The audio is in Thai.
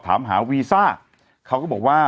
ถามหาวีซ่าเขาก็บอกว่า